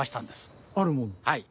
はい。